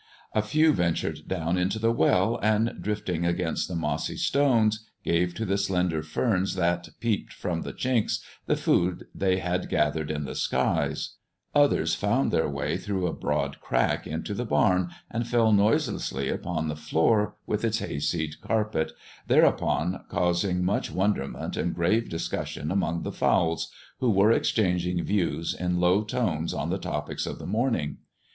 A few ventured down into the well, and, drifting against the mossy stones, gave to the slender ferns that peeped from the chinks the food they had gathered in the skies; others found their way through a broad crack into the barn and fell noiselessly upon the floor with its hayseed carpet, thereupon causing much wonderment and grave discussion among the fowls, who were exchanging views in low tones on the topics of the morning.